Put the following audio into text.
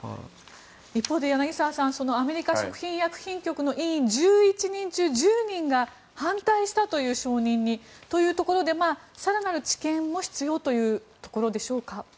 一方で柳澤さんアメリカ食品医薬品局の委員１１人中１０人が承認に反対したというところでというところで更なる知見も必要というところでしょうか。